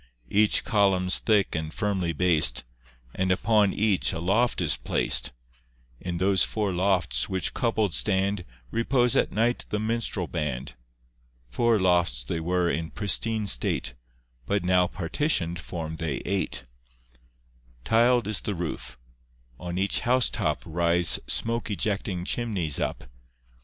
Each column's thick and firmly bas'd, And upon each a loft is plac'd; In those four lofts, which coupled stand, Repose at night the minstrel band. Four lofts they were in pristine state, But now partition'd form they eight. Tiled is the roof. On each house top Rise smoke ejecting chimneys up.